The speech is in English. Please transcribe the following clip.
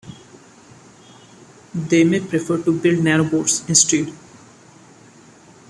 They may prefer to build nanobots instead.